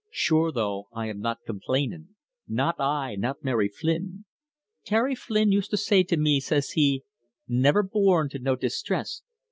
Shure, though, I am not complainin'. Not I not Mary Flynn. Teddy Flynn used to say to me, says he: 'Niver born to know distress!